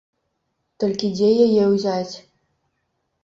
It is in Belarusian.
Толькі дзе яе ўзяць?